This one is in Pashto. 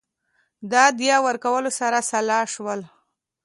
د دیه ورکولو سره سلا شول.